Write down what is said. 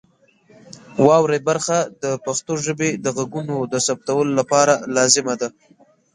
واورئ برخه د پښتو ژبې د غږونو د ثبتولو لپاره لازمه ده.